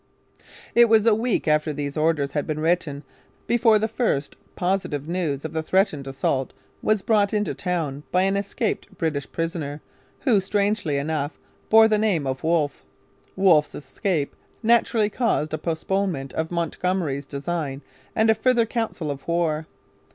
It was a week after these orders had been written before the first positive news of the threatened assault was brought into town by an escaped British prisoner who, strangely enough, bore the name of Wolfe. Wolfe's escape naturally caused a postponement of Montgomery's design and a further council of war.